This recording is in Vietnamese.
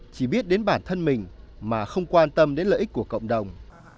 chỉ biết đến bản thân mình mà không quan tâm đến lợi ích của cộng đồng